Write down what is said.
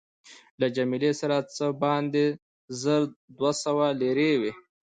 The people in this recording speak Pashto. له جميله سره څه باندې زر دوه سوه لیرې وې.